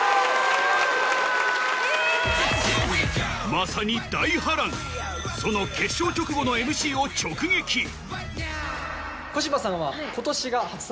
まさに大波乱その決勝直後のＭＣを直撃小芝さんは。